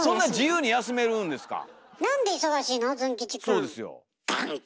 そうですよ。